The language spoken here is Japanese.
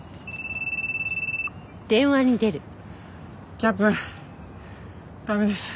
キャップ駄目です。